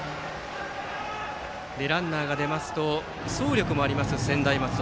ランナーが出ますと走力もあります、専大松戸。